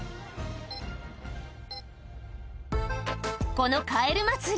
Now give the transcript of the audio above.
このカエル祭り